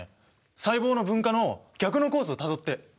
細胞の分化の逆のコースをたどって！